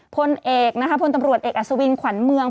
พลตำรวจเอกอสวินศ์ขวัญเมือง